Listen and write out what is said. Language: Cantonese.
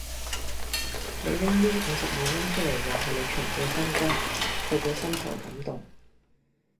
你拎呢五十二蚊出黎話係你全副身家，佢會深受感動